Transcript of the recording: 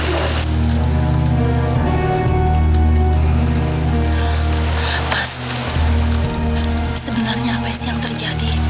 pas sebenarnya apa sih yang terjadi